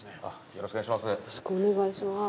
よろしくお願いします